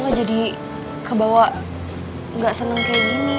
gak jadi kebawa gak seneng kayak gini